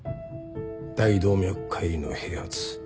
大動脈解離の併発。